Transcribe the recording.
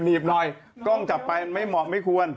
ีบหน่อยกล้องจับไปไม่เหมาะไม่ควร